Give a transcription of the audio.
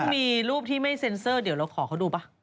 มีรูปที่ไม่เซ็นเซอร์เดี๋ยวเราขอเขาดูป่ะ